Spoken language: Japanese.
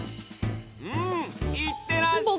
うんいってらっしゃ。